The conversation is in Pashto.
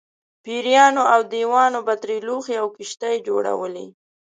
پېریانو او دیوانو به ترې لوښي او کښتۍ جوړولې.